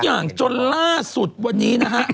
อย่างจนล่าสุดวันนี้นะฮะ